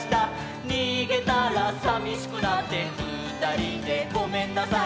「逃げたらさみしくなって２人でごめんなさい」